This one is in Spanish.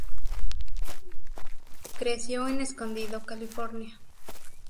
Creció en Escondido, California.